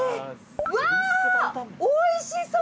うわおいしそう！